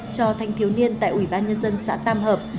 cho thanh thiếu niên tại ủy ban nhân dân xã tam hợp